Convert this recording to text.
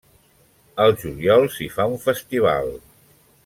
El juliol s'hi fa un festival.